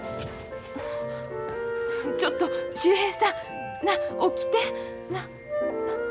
ちょっと秀平さんなあ起きてなあ。